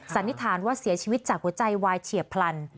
สันนิษฐานว่าเสียชีวิตจากหัวใจวายเฉียบพลัน